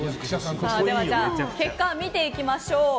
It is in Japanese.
結果を見ていきましょう。